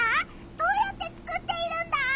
どうやって作っているんだ？